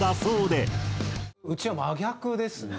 うちは真逆ですね。